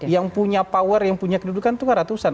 yang punya power yang punya kedudukan itu kan ratusan